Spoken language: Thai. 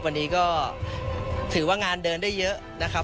วันนี้ก็ถือว่างานเดินได้เยอะนะครับ